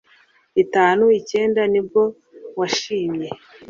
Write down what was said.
itanu icyenda ni bwo washimye